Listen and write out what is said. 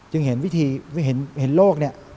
เห็นวิธีเลิก